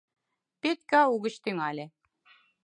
— Петька угыч тӱҥале.